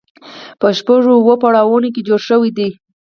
په شپږو اوو پوړونو کې جوړ شوی دی.